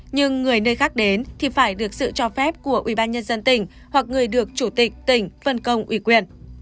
nhưng người nơi khác đến thì phải được sự cho phép của ubnd tỉnh hoặc người được chủ tịch tỉnh phân công ủy quyền